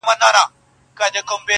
راسه د يو بل اوښکي وچي کړو نور,